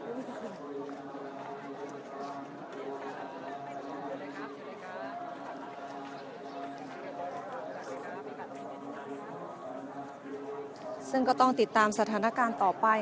เมื่อเวลาอันดับสุดท้ายเมื่อเวลาอันดับสุดท้าย